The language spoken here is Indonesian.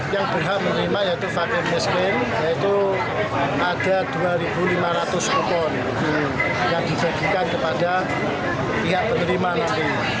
yang berhak menerima yaitu panggilan miskin yaitu ada dua lima ratus kupon yang dibagikan kepada pihak penerimaan